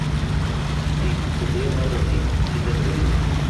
Sí, te estoy hablando a ti, chica atrevida.